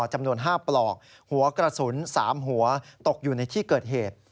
จำนวน๕ปลอกหัวกระสุน๓หัวตกอยู่ในที่เกิดเหตุ